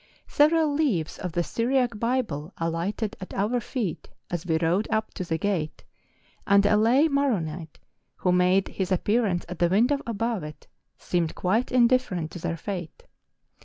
Several leaves of the Syriac Bible alighted at our feet as we rode up to the gate, and a lay Maron ite, who made his appearance at the window above it, seemed quite indifferent to their fate.